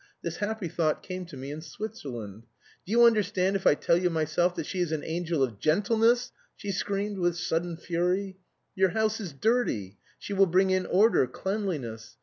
This happy thought came to me in Switzerland. Do you understand if I tell you myself that she is an angel of gentleness!" she screamed with sudden fury. "Your house is dirty, she will bring in order, cleanliness.